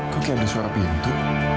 kok ada suara pintu